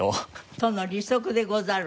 『殿、利息でござる！』